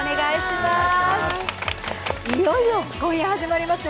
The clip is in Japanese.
いよいよ今夜、始まりますね。